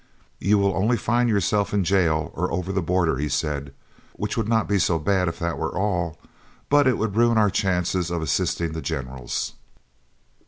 "You will only find yourselves in jail or over the border," he said, "which would not be so bad if that were all, but it would ruin our chances of assisting the Generals."